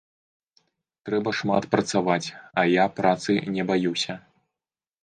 Трэба шмат працаваць, а я працы не баюся.